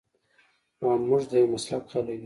ويم موږ د يو مسلک خلک يو.